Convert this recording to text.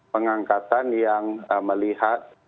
pengangkatan yang melihat